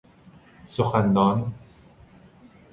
سخن دان